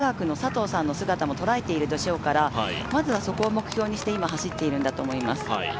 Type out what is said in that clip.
もう目に見えるところに積水化学の佐藤さんの姿も捉えているでしょうから、まずはそこを目標にして走っているんだと思います。